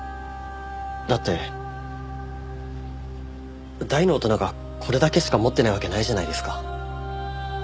だって大の大人がこれだけしか持ってないわけないじゃないですか。